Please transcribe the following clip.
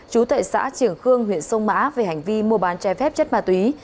chú tại xã triển khương huyện sông mã về hành vi mua bán chai phép chất ma túy